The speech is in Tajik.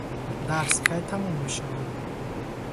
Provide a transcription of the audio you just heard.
Дарс кай тамом мешавад?